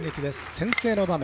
先制の場面。